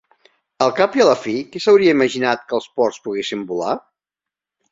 Al cap i a la fi, qui s"hauria imaginat que els porcs poguessin volar?